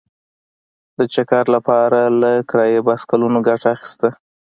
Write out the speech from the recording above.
د چکر لپاره له کرايي بایسکلونو ګټه اخیسته.